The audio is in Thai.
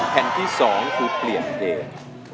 แผ่นที่๒คือเปลี่ยนเพลง